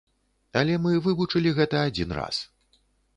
Але мы вывучылі гэта адзін раз.